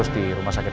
di rumah sakit